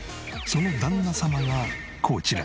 その旦那様がこちら。